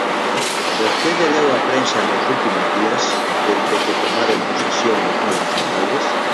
¿Vostede leu a prensa nos últimos días, dende que tomaron posesión os novos alcaldes?